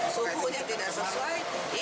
suhunya tidak sesuai